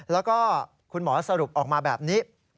แล้วก็คุณหมอสรุปออกมาแบบนี้